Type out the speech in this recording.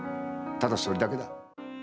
ただそれだけだ。